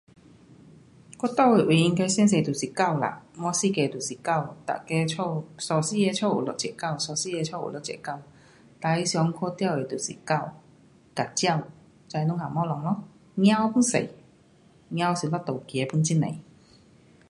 我住的位应该最多就是狗啦，满四角就是狗，每间家，三四间家，有一只狗，三四间家，有一只狗。最常看到的就是狗和鸟。这两样东西咯。猫 pun 是，猫是讲路走 pun 很多。